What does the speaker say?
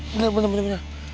benar benar benar